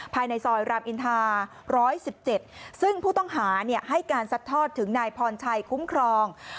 ภายในซอยรามอินทาร้อยสิบเจ็ดซึ่งผู้ต้องหาเนี่ยให้การซัดทอดถึงนายพรชัยคุ้มครอง